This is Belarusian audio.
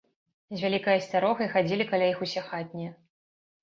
З вялікай асцярогай хадзілі каля іх усе хатнія.